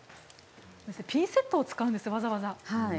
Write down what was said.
ピンセットを使うんですわざわざ。